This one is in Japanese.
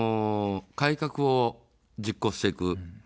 改革を実行していく。